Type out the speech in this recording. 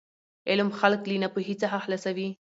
علم خلک له ناپوهي څخه خلاصوي.